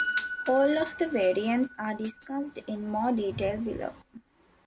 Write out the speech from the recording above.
All of the variants are discussed in more detail below.